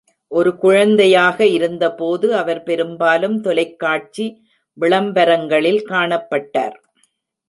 ஒரு குழந்தையாக இருந்தபோது, அவர் பெரும்பாலும் தொலைக்காட்சி விளம்பரங்களில் காணப்பட்டார்.